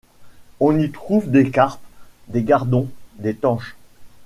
On y trouve des carpes, des gardons, des tanches.